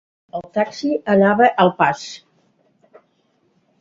El taxi anava al pas.